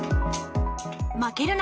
負けるな！